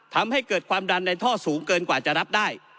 ทำให้เกิดความดันในท่อสูงเกินกว่าจะรับได้